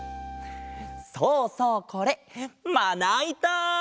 そうそうこれまないた！